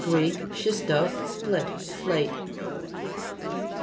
schistos, split. Slate.